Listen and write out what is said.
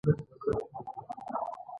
ټروټيل سي فور ټي ان ټي پټن د بېرنگانو مردکي.